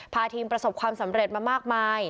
พาทีมประสบความสำเร็จมามากมาย